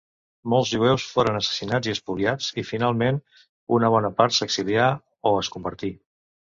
Molts jueus foren assassinats i espoliats, i finalment una bona part s'exilià o es convertí.